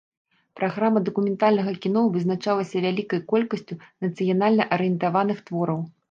Праграма дакументальнага кіно вызначалася вялікай колькасцю нацыянальна арыентаваных твораў.